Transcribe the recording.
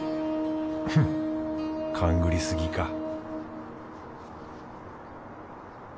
フン勘ぐりすぎか